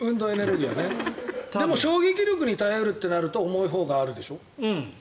でも衝撃力に耐えるってなると重いほうがあるでしょ。